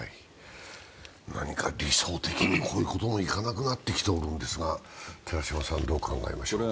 何か理想的にこういうこともいかなくなってきておるんですが、どう考えましょうか。